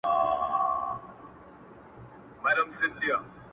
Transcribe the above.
پاس د وني په ښاخونو کي یو مار وو!.